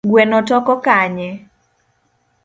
Gweno toko kanye?